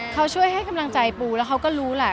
เขาช่วยให้กำลังใจปูแล้วเขาก็รู้แหละ